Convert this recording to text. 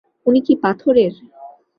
উনি কি পাথরের?